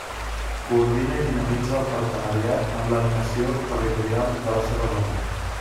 Coordina i dinamitza el partenariat en l'animació territorial de la seva zona.